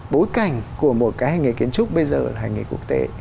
bối cảnh của một cái hành nghề kiến trúc bây giờ là hành nghề quốc tế